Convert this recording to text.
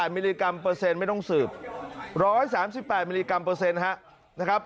มิลลิกรัมเปอร์เซ็นไม่ต้องสืบ๑๓๘มิลลิกรัมเปอร์เซ็นต์นะครับ